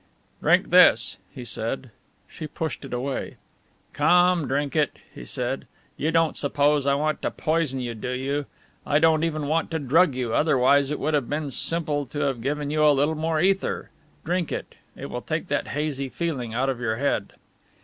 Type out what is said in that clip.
"Drink this," he said. She pushed it away. "Come, drink it," he said, "you don't suppose I want to poison you, do you? I don't even want to drug you, otherwise it would have been simple to have given you a little more ether. Drink it. It will take that hazy feeling out of your head."